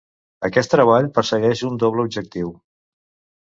Aquest treball persegueix un doble objectiu.